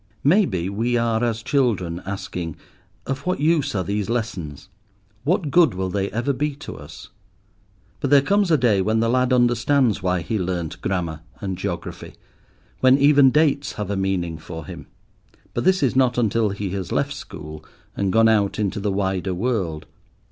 Maybe, we are as children, asking, "Of what use are these lessons? What good will they ever be to us?" But there comes a day when the lad understands why he learnt grammar and geography, when even dates have a meaning for him. But this is not until he has left school, and gone out into the wider world.